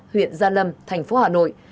huyện gia lâm thành phố hà nội